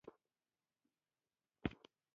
د توکوګاوا کورنۍ واک ته ورسېده.